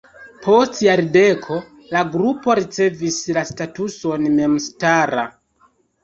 Post jardeko la grupo ricevis la statuson memstara.